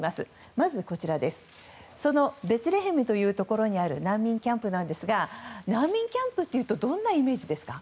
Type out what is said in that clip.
まず、こちらベツレヘムというところにある難民キャンプなんですが難民キャンプというとどんなイメージですか？